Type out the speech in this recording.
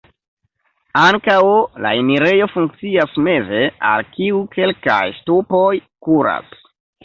Ankaŭ la enirejo funkcias meze, al kiu kelkaj ŝtupoj kuras.